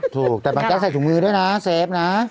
ถูกแต่บางแจ๊กใส่ถุงมือด้วยนะเซฟนะ